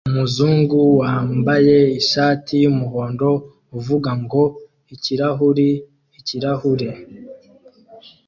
Umuzungu wambaye ishati yumuhondo uvuga ngo "Ikirahure Ikirahure"